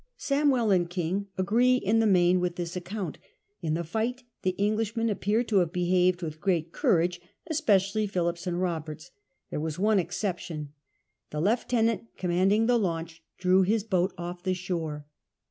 Samwell and King agree in the main with this account. In the fight the Englishmen appear to have beliavcd with great courage, especially Philll}>s and liijberts. There was one exception : tlie lieutenant commanding the launch drew his boat off the shore.